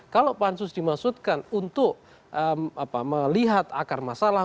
kalau pansus dimaksudkan untuk melihat akar masalah